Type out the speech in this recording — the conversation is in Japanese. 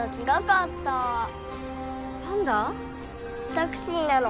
タクシーなの。